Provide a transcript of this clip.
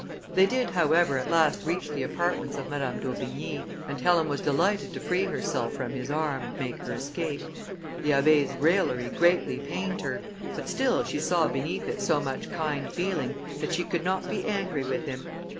They did, however, at last reach the apartments of Madame d'Aubigny, and Helen was delighted to free herself from his arm, and make her escape. The Abbé's raillery greatly pained her, but still she saw beneath it so much kind feeling, that she could not be angry with him.